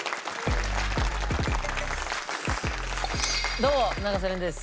どうも永瀬廉です。